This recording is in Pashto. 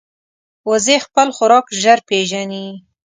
وزې خپل خوراک ژر پېژني